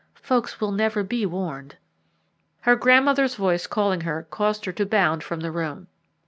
Folks will never be warned!" Her grandmother's voice calling her caused her to bound from the room.